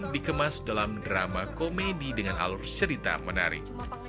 dikemas dalam drama komedi dengan alur cerita menarik